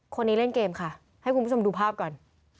คนนี้เล่นเกมค่ะให้คุณผู้ชมดูภาพก่อน